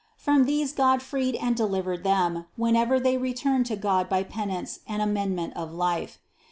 From these God freed and deliv ered them, whenever they returned to God by penance and amendment of life.